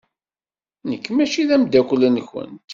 Nekk maci d ameddakel-nwent.